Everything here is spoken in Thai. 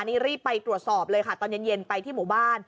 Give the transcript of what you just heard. นี่รีบไปตรวจสอบเลยค่ะตอนเย็นไปที่หมู่บ้าน